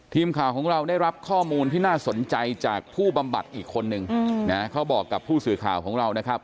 ทีมข่าวของเราได้รับข้อมูลที่น่าสนใจจากผู้บำบัดอีกคนนึงนะเขาบอกกับผู้สื่อข่าวของเรานะครับ